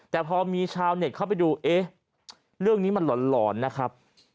แต่พอมีชาวเน็ตเข้าไปดูเอ๊ะเรื่องนี้มันหลอนนะครับ